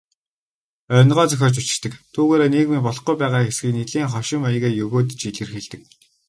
Онигоо зохиож бичдэг, түүгээрээ нийгмийн болохгүй байгаа хэсгийг нэлээн хошин маягаар егөөдөж илэрхийлдэг.